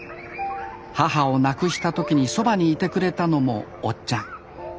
母を亡くした時にそばにいてくれたのもおっちゃん。